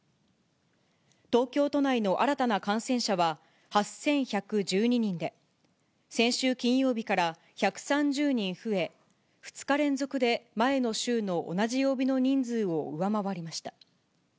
東京都内の新たな感染者は、８１１２人で、先週金曜日から１３０人増え、２日連続で前の週の同じ曜日の人数を上回りました。